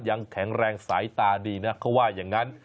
ยังแข็งแรงสายตาดีนะเขาว่าอย่างนั้น